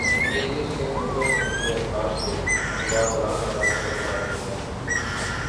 کہ جس کے ہونٹوں سے نکلے الفاظ کو خدا قرآن بنا کر اتار دیتا